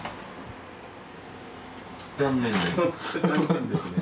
残念ですね。